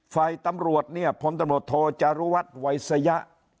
ฝ่ายตำรวจเนี่ยพลตำรวจโทจารุวัฒน์วัยสยะ